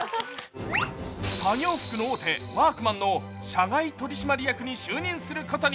作業服の大手ワークマンの社外取締役に就任することに。